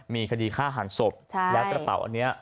มีคดีฆ่าหันศพแล้วกระเป๋าอันนี้